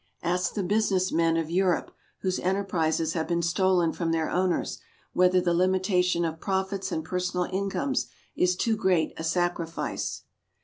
Ask the businessmen of Europe, whose enterprises have been stolen from their owners, whether the limitation of profits and personal incomes is too great a "sacrifice."